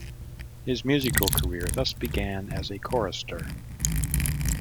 His musical career thus began as a chorister.